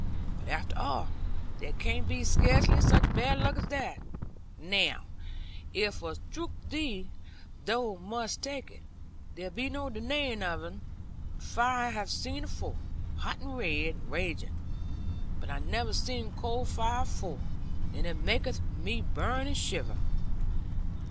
But after all, there can't be scarcely such bad luck as that. Now, if her strook thee, thou must take it; there be no denaying of un. Fire I have seen afore, hot and red, and raging; but I never seen cold fire afore, and it maketh me burn and shiver.'